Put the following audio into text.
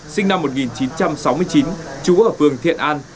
sinh năm một nghìn chín trăm sáu mươi chín chú ở phường thiện an